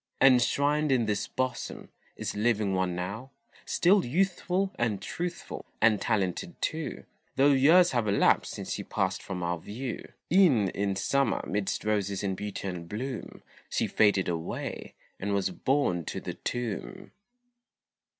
Enshrined in this bosom, is living one now, Still youthful and truthful, and talented too, Though years have elapsed since she passed from our view; E'en in Summer midst roses in beauty and bloom, She faded away, and was borne to the tomb.